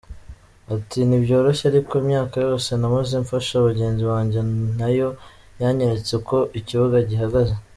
Ati “ Ntibyoroshye ariko imyaka yose namaze mfasha bagenzi banjye nayo yanyeretse uko ikibuga gihagaze .